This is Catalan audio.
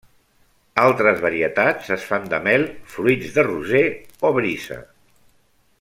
Altres varietats es fan de mel, fruits de roser o brisa.